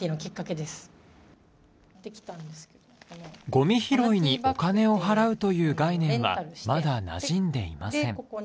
ゴミ拾いにお金を払うという概念はまだなじんでいません。